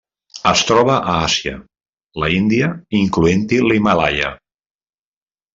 Es troba a Àsia: l'Índia, incloent-hi l'Himàlaia.